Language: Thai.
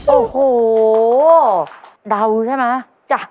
โอ้โหเดาใช่มั้ย